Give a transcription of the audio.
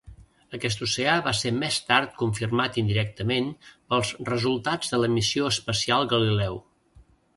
Aquest oceà va ser més tard confirmat indirectament pels resultats de la missió espacial Galileu.